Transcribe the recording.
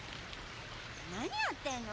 何やってるの！？